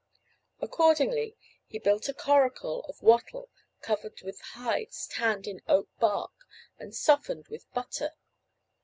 Accordingly, he built a coracle of wattle covered with hides tanned in oak bark and softened with butter.